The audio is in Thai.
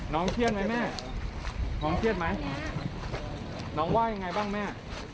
เครียดไหมแม่น้องเครียดไหมน้องว่ายังไงบ้างแม่